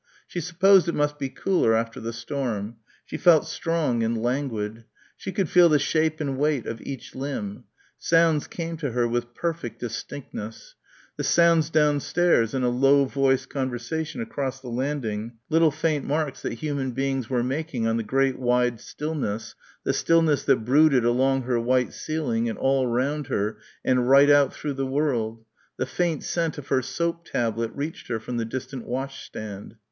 She supposed it must be cooler after the storm. She felt strong and languid. She could feel the shape and weight of each limb; sounds came to her with perfect distinctness; the sounds downstairs and a low voiced conversation across the landing, little faint marks that human beings were making on the great wide stillness, the stillness that brooded along her white ceiling and all round her and right out through the world; the faint scent of her soap tablet reached her from the distant wash stand.